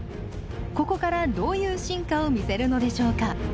ここからどういう進化を見せるのでしょうか？